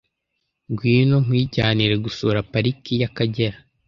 Ngwino nkwijyanire gusura Pariki y'Akagera.